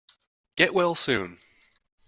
Get well soon!